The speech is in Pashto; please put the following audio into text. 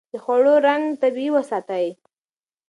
د خوړو رنګ طبيعي وساتئ.